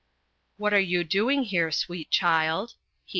" What are you doing here, sweet child